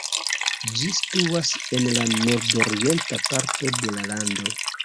Ĝi situas en la nordorienta parto de la lando.